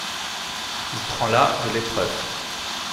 Il prend la de l'épreuve.